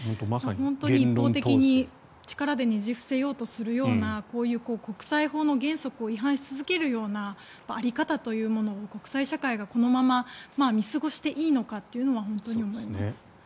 一方的に力でねじ伏せようとするようなこういう国際法の原則に違反し続けるような在り方というものを国際社会がこのまま見過ごしていいのかというのは本当に思います。